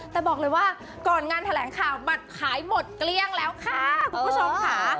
แต่บอกเลยว่าก่อนงานแถลงข่าวบัตรขายหมดเกลี้ยงแล้วค่ะคุณผู้ชมค่ะ